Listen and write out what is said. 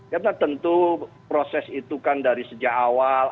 karena tentu proses itu kan dari sejak awal